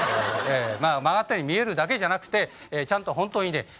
ええまあ曲がったように見えるだけじゃなくてちゃんと本当にね